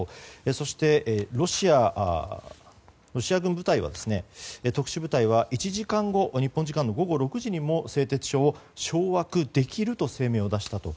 そして、ロシア軍部隊は特殊部隊は１時間後日本時間の午後６時にも製鉄所を掌握できると声明を出したと。